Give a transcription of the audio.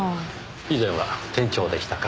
以前は店長でしたか。